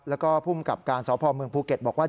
และก็ผู้มีกรรมการสภอมือเมืองภูเก็ตบอกว่า